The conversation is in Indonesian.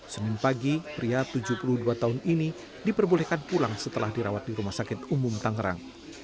senin pagi pria tujuh puluh dua tahun ini diperbolehkan pulang setelah dirawat di rumah sakit umum tangerang